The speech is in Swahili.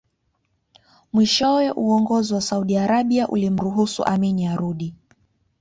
Mwishowe uongozi wa Saudi Arabia ulimruhusu Amin arudi